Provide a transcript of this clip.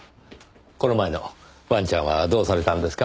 この前のワンちゃんはどうされたのですか？